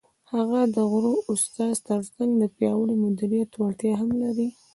هغه د غوره استاد تر څنګ د پیاوړي مدیریت وړتیا هم لري.